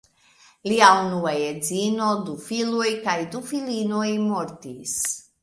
Lia unua edzino, du filoj kaj du filinoj mortis.